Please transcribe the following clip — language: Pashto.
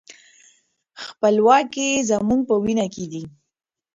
خپلواکي زموږ په وینه کې ده.